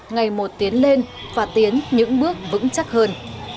ngày một tiến lên và tiến những bước vững chắc hơn